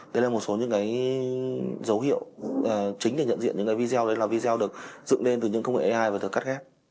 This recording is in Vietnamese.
đây là một số những cái dấu hiệu chính để nhận diện những cái video đấy là video được dựng lên từ những công nghệ ai và được cắt ghép